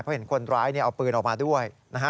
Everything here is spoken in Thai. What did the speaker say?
เพราะเห็นคนร้ายเอาปืนออกมาด้วยนะฮะ